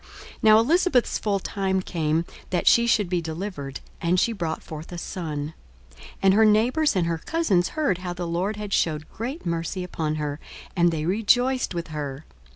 42:001:057 Now Elisabeth's full time came that she should be delivered; and she brought forth a son. 42:001:058 And her neighbours and her cousins heard how the Lord had shewed great mercy upon her; and they rejoiced with her.